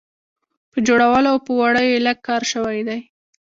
په جوړولو او په وړیو یې لږ کار شوی دی.